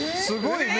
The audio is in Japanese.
すごい！